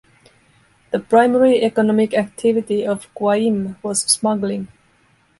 The primary economic activity of Qa'im was smuggling.